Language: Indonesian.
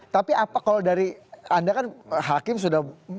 tapi apa kalau dari anda kan hakim sudah